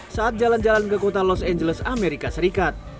saat jalan jalan ke kota los angeles amerika serikat